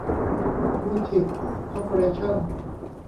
บูทิค คอร์ปอเรชั่น